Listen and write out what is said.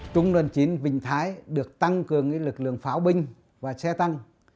trung đoàn chín vĩnh thái được tăng cường với lực lượng pháo binh và xe tăng